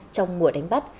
trong mùa đánh bắt